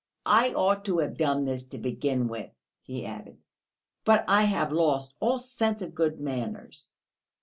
"I ought to have done this to begin with," he added, "but I have lost all sense of good manners."